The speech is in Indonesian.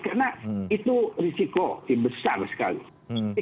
karena itu risiko besar sekali